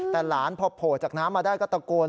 แต่หลานพอโผล่จากน้ำมาได้ก็ตะโกน